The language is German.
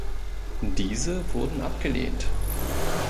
Diese wurden abgelehnt.